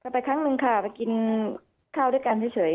ไปครั้งหนึ่งค่ะไปกินข้าวด้วยกันเฉย